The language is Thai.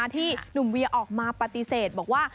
ที่หนุ่มเวียออกมาปฏิเสธบอกว่า